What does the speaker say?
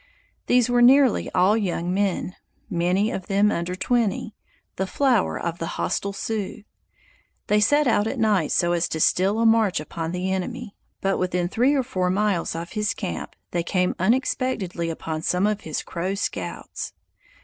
These were nearly all young men, many of them under twenty, the flower of the hostile Sioux. They set out at night so as to steal a march upon the enemy, but within three or four miles of his camp they came unexpectedly upon some of his Crow scouts.